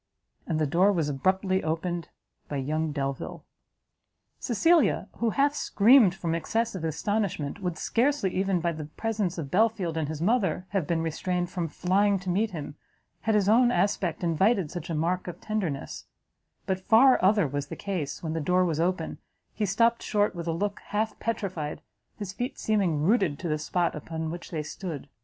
And the door was abruptly opened by young Delvile! Cecilia, who half screamed from excess of astonishment, would scarcely, even by the presence of Belfield and his mother, have been restrained from flying to meet him, had his own aspect invited such a mark of tenderness; but far other was the case; when the door was open, he stopt short with a look half petrified, his feet seeming rooted to the spot upon which they stood.